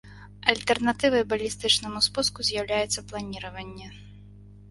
Альтэрнатывай балістычнаму спуску з'яўляецца планіраванне.